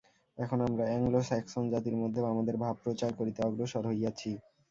এখন আমরা অ্যাংলো-স্যাক্সন জাতির মধ্যেও আমাদের ভাব-প্রচার করিতে অগ্রসর হইয়াছি।